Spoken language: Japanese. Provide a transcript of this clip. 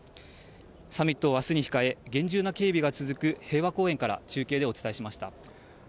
サミットをあすに控え、厳重な警備が続く平和公園から、中継でお伝えしました。